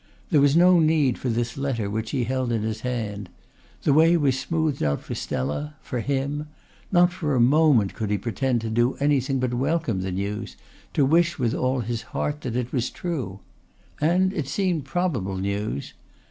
There was no need for this letter which he held in his hand. The way was smoothed out for Stella, for him. Not for a moment could he pretend to do anything but welcome the news, to wish with all his heart that it was true. And it seemed probable news.